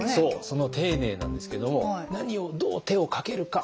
その丁寧なんですけども何をどう手をかけるか。